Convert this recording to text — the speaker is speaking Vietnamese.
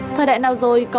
thời đại nào rồi